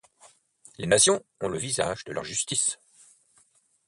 Les nations ont le visage de leur justice.